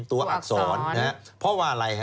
ตัวอักษรเพราะว่าอะไร